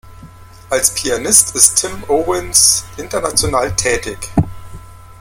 Als Pianist ist Tim Ovens international tätig.